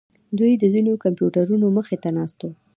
دوی د خپلو کمپیوټرونو مخې ته ناست وو